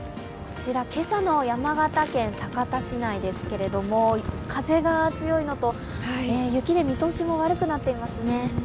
今朝の山形県酒田市内ですけれども、風が強いのと、雪で見通しも悪くなっていますね。